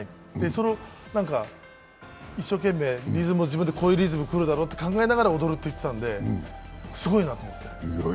それを一生懸命、自分でこういうリズムが来るだろうと思って踊ると言ってたんですごいなと思って。